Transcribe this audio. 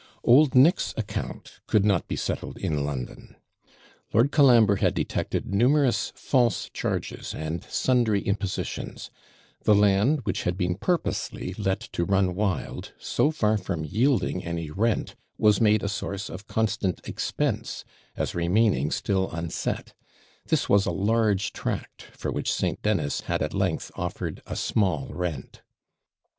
Old Nick's account could not be settled in London. Lord Colambre had detected numerous false charges, and sundry impositions; the land, which had been purposely let to run wild, so far from yielding any rent, was made a source of constant expense, as remaining still unset: this was a large tract, for which St. Dennis had at length offered a small rent.